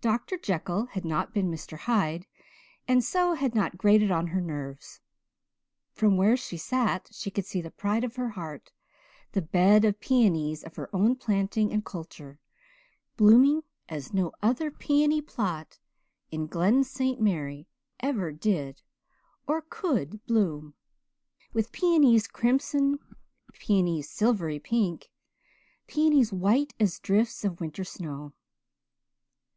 Dr. Jekyll had not been Mr. Hyde and so had not grated on her nerves; from where she sat she could see the pride of her heart the bed of peonies of her own planting and culture, blooming as no other peony plot in Glen St. Mary ever did or could bloom, with peonies crimson, peonies silvery pink, peonies white as drifts of winter snow.